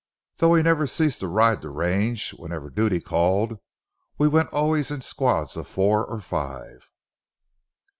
Though we never ceased to ride the range wherever duty called, we went always in squads of four or five.